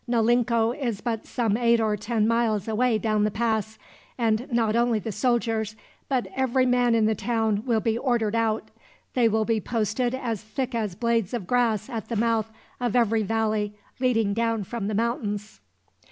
Naulinco is but some eight or ten miles away down the pass; and not only the soldiers, but every man in the town will be ordered out. They will be posted as thick as blades of grass at the mouth of every valley leading down from the mountains.